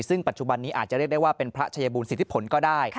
ซึ่งปัจจุบันนี้อาจจะเรียกได้ว่าเป็นพระชายบูรณสิทธิผลก็ได้